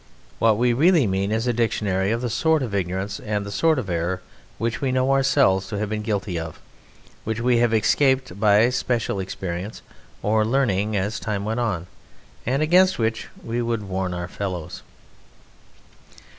What we really mean is a Dictionary of the sort of Ignorance and the sort of Error which we know ourselves to have been guilty of, which we have escaped by special experience or learning as time went on, and against which we would warn our fellows.